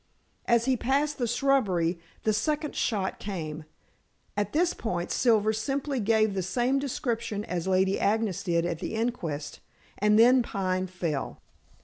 As he passed the shrubbery, the second shot came at this point Silver simply gave the same description as Lady Agnes did at the inquest and then Pine fell.